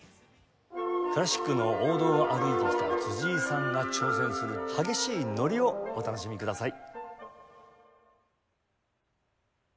クラシックの王道を歩いてきた辻井さんが挑戦する激しいノリをお楽しみください。